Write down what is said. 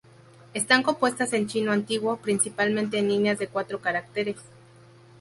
Están compuestas en chino antiguo, principalmente en líneas de cuatro caracteres.